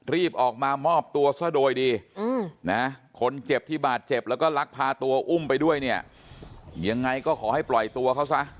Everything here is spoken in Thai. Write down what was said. รีบออกมามอบตัวซะโดยดีนะคนเจ็บที่บาดเจ็บแล้วก็ลักพาตัวอุ้มไปด้วยเนี่ยยังไงก็ขอให้ปล่อยตัวเขาซะ